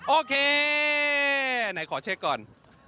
โอเคไหนขอเช็คก่อน